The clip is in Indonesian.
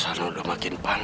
suasana jadi makin panas